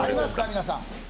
皆さん。